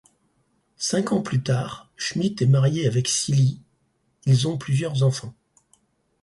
Cinq ans plus tard, Schmidt est marié avec Cilly, ils ont plusieurs enfants.